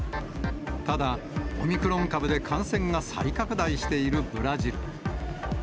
ただ、オミクロン株で感染が再拡大しているブラジル。